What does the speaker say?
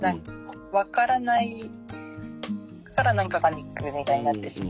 わからないから何かパニックみたいになってしまう。